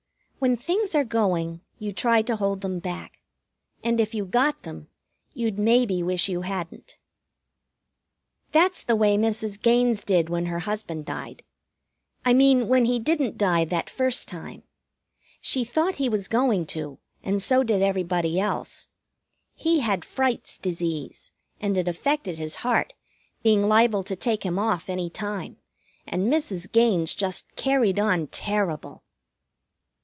When things are going, you try to hold them back. And if you got them, you'd maybe wish you hadn't. That's the way Mrs. Gaines did when her husband died. I mean when he didn't die that first time. She thought he was going to, and so did everybody else. He had Fright's disease, and it affected his heart, being liable to take him off any time, and Mrs. Gaines just carried on terrible.